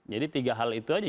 jadi tiga hal itu aja